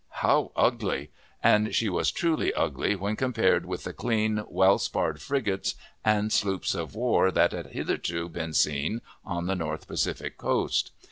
how ugly! and she was truly ugly when compared with the clean, well sparred frigates and sloops of war that had hitherto been seen on the North Pacific coast.